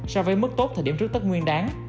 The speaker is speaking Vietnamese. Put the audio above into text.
so với mức tốt thời điểm trước tết nguyên đáng